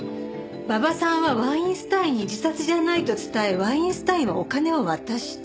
馬場さんはワインスタインに「自殺じゃない」と伝えワインスタインはお金を渡した。